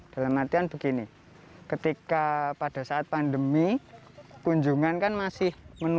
dalam artian begini ketika pada saat pandemi kunjungan kan masih menunggu